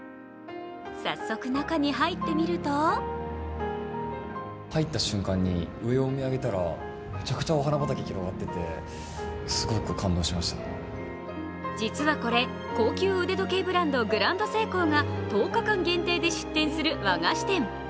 早速、中に入ってみると実はこれ、高級腕時計ブランド、ＧｒａｎｄＳｅｉｋｏが１０日間限定で出店する和菓子店。